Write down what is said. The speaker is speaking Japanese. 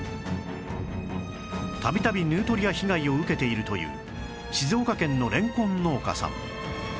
度々ヌートリア被害を受けているという静岡県のレンコン農家さん